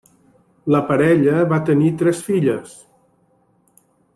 La parella va tenir tres filles.